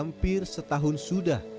hampir setahun sudah